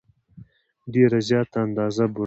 ډېره زیاته اندازه بوره.